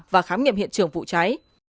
và khám nghiệm hiện trường vụ cháy